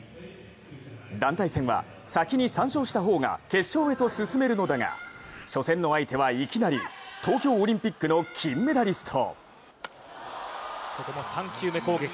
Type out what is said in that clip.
団体戦は先に３勝した方が決勝へと進めるのだが初戦の相手はいきなり東京オリンピックの金メダリスト。